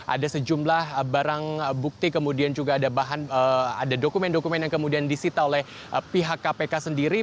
ada sejumlah barang bukti kemudian juga ada bahan ada dokumen dokumen yang kemudian disita oleh pihak kpk sendiri